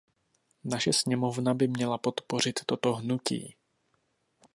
Naše sněmovna by měla podpořit toto hnutí.